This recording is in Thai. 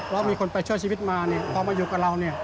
เรามีคนไปช่วยชีวิตมาพอมาอยู่กับเรา